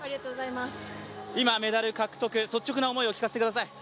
今メダル獲得、率直な思いを聞かせてください。